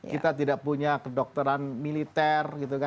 kita tidak punya kedokteran militer